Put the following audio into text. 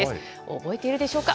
覚えているでしょうか。